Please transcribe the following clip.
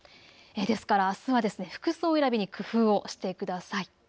ですから、あすは服装選びに工夫をしてください。